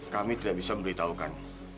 kami tidak bisa memberitahukan